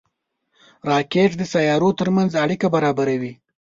راکټ د سیارو ترمنځ اړیکه برابروي